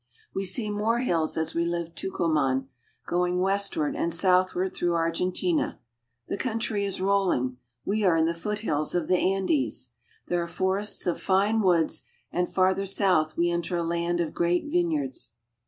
We see more hills as we leave Tucuman, going west ward and southward through Argentina. The country is rolling. We are in the foothills of the Andes. There are forests of fine woods, and farther south we enter a land of great vineyards.